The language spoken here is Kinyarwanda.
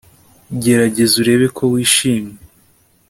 gerageza urebe ko wishimye